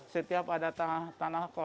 setiap ada tanah kotor ada tanah kotor